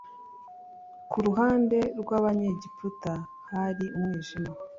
ku ruhande rw'abanyegiputa hari umwijima